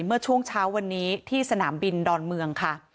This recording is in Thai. เมื่อช่วงเช้าวันนี้ที่สนามบินดอนเมืองค่ะ